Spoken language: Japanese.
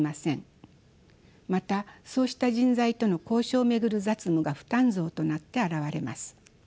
またそうした人材との交渉を巡る雑務が負担増となって表れます。